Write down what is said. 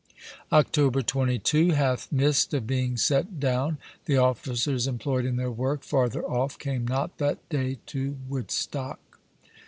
October 22. Hath mist of being set down, the officers imployed in their work farther off, came not that day to Woodstock.